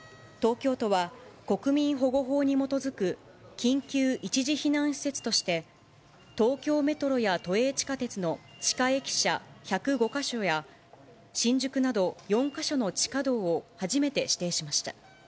東京都は、国民保護法に基づく緊急一時避難施設として、東京メトロや都営地下鉄の地下駅舎１０５か所や、新宿など４か所の地下道を初めて指定しました。